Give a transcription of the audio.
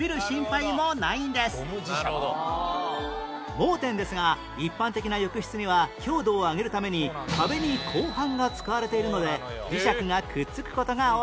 盲点ですが一般的な浴室には強度を上げるために壁に鋼板が使われているので磁石がくっつく事が多いんです